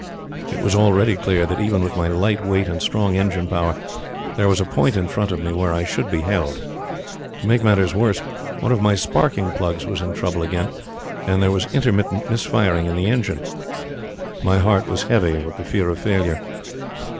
It was already clear that even with my light weight and strong engine power there was a point in front of me where I should be held. To make matters worse, one of my sparking plugs was in trouble again and there was intermittent misfiring in the engine. My heart was heavy with the fear of failure.